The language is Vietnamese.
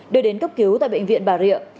đưa đến cấp cứu tại bệnh viện bà rịa